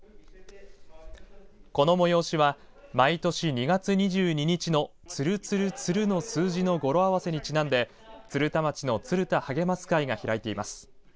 この催しは毎年２月２２日のツル・ツル・ツルの数字の語呂合わせにちなんで鶴田町のツル多はげます会が開いています。